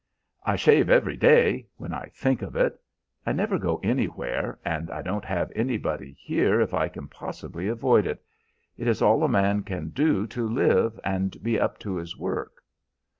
"I shave every day, when I think of it. I never go anywhere, and I don't have anybody here if I can possibly avoid it. It is all a man can do to live and be up to his work."